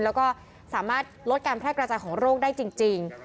แล้วก็สามารถลดการแพร่กระจายของโรคได้จริง